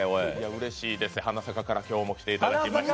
うれしいです、「花咲か」から今日も来ていただいて。